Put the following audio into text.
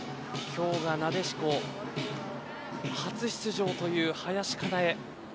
今日が、なでしこ初出場という林香奈絵。